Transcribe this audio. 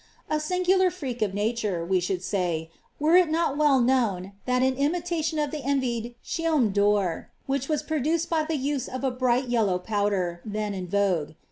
A singular freak of nature, we should sav, were it not well known that an imitation of the envied chiomc (Ti^ro was produced by the use of a bright yellow powder, then in vosue.